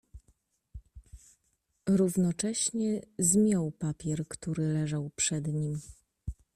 "Równocześnie zmiął papier, który leżał przed nim."